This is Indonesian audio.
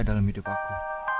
dalam hidup aku